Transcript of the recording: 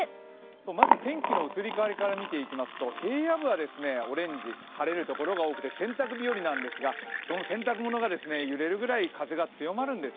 まず天気の移り変わりから見えていきますと平野部はオレンジ、晴れる所が多くて、洗濯日和なんですが、その洗濯物が揺れるぐらい風が強まるんです。